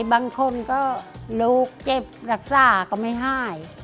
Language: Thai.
บางคนก็ลูกเจ็บรักษาก็ไม่หาย